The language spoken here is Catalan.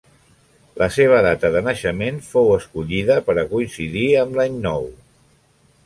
La seva data de naixement fou escollida per a coincidir amb l'any nou.